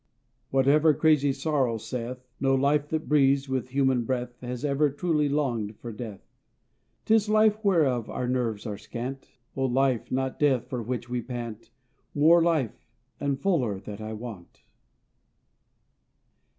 Whatever crazy sorrow saith, No life that breathes with human breath Has ever truly longed for death. 'Tis life, whereof our nerves are scant, Oh life, not death, for which we pant; More life, and fuller, that I want.